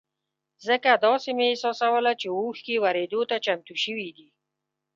ځکه داسې مې احساسوله چې اوښکې ورېدو ته چمتو شوې دي.